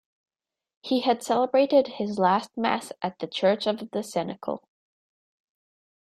He had celebrated his last Mass at the Church of the Cenacle.